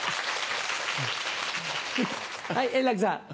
はい円楽さん。